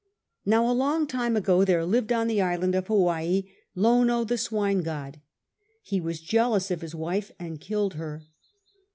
. Now, a long time ago, there lived, on the island of Hawaii, Lono the swine god. He was jealous of his wife and killed her.